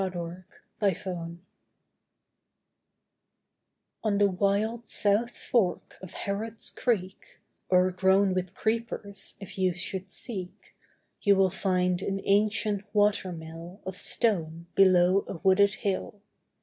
THE RUINED MILL On the wild South Fork of Harrod's Creek, O'ergrown with creepers, if you should seek, You will find an ancient water mill Of stone below a wooded hill.